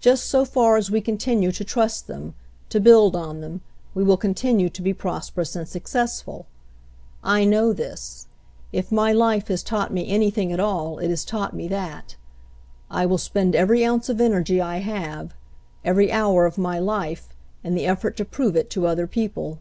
Just so far as we continue to trust them, to build on them, we will continue to be prosperous and successful. "I know this. If my life has taught me any thing at all, it has taught me that. I will spend every ounce of energy I have, every hour of my life, in the effort to prove it to other people.